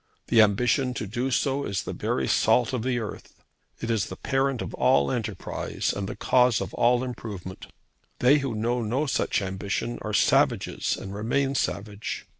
The ambition to do so is the very salt of the earth. It is the parent of all enterprise, and the cause of all improvement. They who know no such ambition are savages and remain savage.